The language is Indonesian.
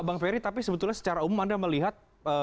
bang ferry tapi sebetulnya secara umum anda melihat